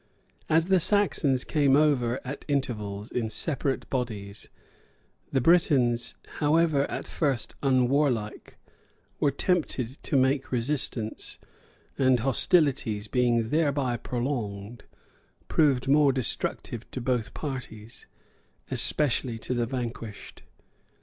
As the Saxons came over at intervals in separate bodies, the Britons, however at first unwarlike, were tempted to make resistance; and hostilities, being thereby prolonged, proved more destructive to both parties, especially to the vanquished.